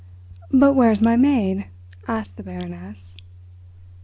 "But where is my maid?" asked the Baroness.